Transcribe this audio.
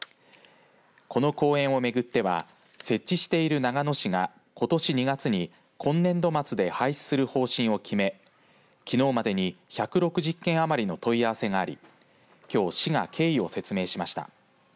この公園を巡っては設置している長野市がことし２月に今年度末で廃止する方針を決めきのうまでに１６０件余りの問い合わせがありきょう市が経緯を説明しました。